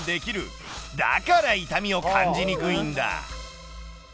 だから痛みを感じにくいんだ。